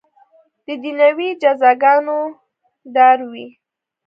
د دنیوي جزاګانو ډاروي.